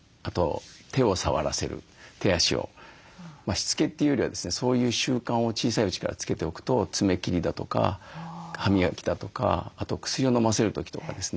しつけというよりはですねそういう習慣を小さいうちからつけておくと爪切りだとか歯磨きだとかあと薬をのませる時とかですね